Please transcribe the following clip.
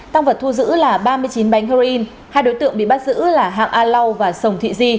tăng vật thu giữ là ba mươi chín bánh heroin hai đối tượng bị bắt giữ là hạng a lau và sồng thị di